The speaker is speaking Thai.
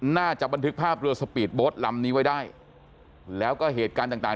น่าจะบรรทึกภาพว่าสปีดโบ๊ทลำนี้ไว้ได้แล้วก็เหตุการณ์ต่าง